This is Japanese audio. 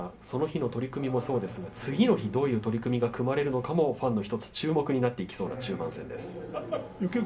その日の取組もそうですが次の日どういう取組が組まれるのかもファンの注目の１つになっていきそうな中盤戦です。